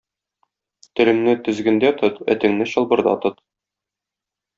Телеңне тезгендә тот, этеңне чылбырда тот!